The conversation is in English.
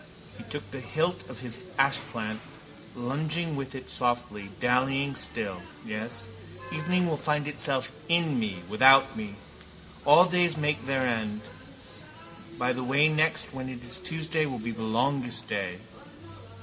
He took the hilt of his ashplant, lunging with it softly, dallying still. Yes, evening will find itself in me, without me. All days make their end. By the way next when is it Tuesday will be the longest day.